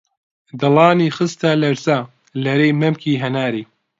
دڵانی خستە لەرزە، لەرەی مەمکی هەناری